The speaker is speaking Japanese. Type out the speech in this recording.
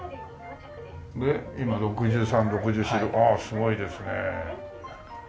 今６３６４ああすごいですね。